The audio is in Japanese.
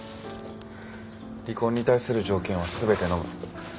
離婚に対する条件は全てのむ。